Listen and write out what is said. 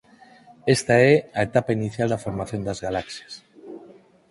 Esta é a etapa inicial da formación das galaxias.